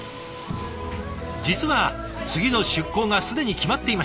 実は次の出港が既に決まっていました。